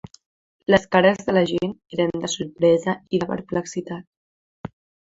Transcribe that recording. Les cares de la gent eren de sorpresa i de perplexitat.